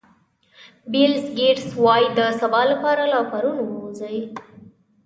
بیل ګېټس وایي د سبا لپاره له پرون ووځئ.